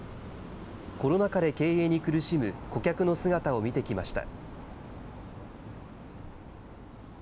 コロナ禍で経営に苦しむ顧客の姿を見てきました。